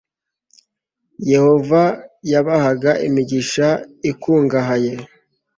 yehova yabahaga imigisha ikungahaye